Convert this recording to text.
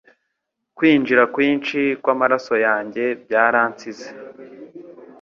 Kwinjira kwinshi kwamaraso yanjye byaransize